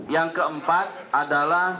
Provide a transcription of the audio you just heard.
yang keempat adalah